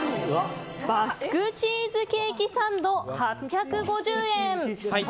バスクチーズケーキサンド８５０円。